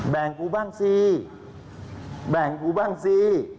แบ่งกูบ้างซิแบ่งกูบ้างซิ